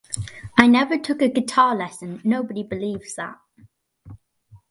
I never took a guitar lesson, nobody believes that.